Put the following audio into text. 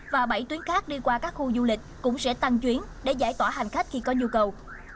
và bảy tuyến khác đi qua các khu du lịch cũng sẽ tăng chuyến để giải tỏa hành khách khi có nhu cầu